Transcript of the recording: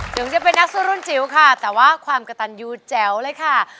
ถึงจะเป็นนักสู้รุ่นจิ๋วค่ะแต่ว่าความกระตันยูแจ๋วเลยค่ะ